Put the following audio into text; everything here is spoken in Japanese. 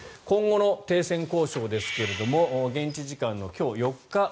今後の停戦交渉ですが現地時間の今日４日